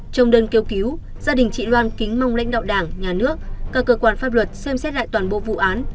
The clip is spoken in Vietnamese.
trong đơn kêu cứu gia đình chị loan kính mong lãnh đạo đảng nhà nước các cơ quan pháp luật xem xét lại toàn bộ vụ án